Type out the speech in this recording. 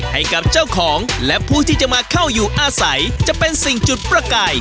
ให้กับเจ้าของและผู้ที่จะมาเข้าอยู่อาศัยจะเป็นสิ่งจุดประกาย